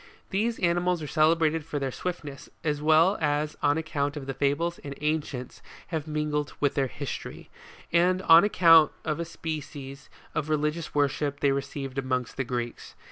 These animals are celebrated for their swiftness, as well as on account of the fables the ancients have mingled with their history, and on account of a species of religious worship they received amongst the Greeks.